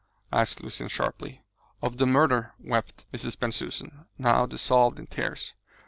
asked Lucian sharply. "Of the murder!" wept Mrs. Bensusan, now dissolved in tears.